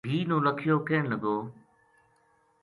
بھی نولکھیو کہن لگو